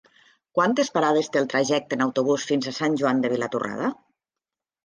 Quantes parades té el trajecte en autobús fins a Sant Joan de Vilatorrada?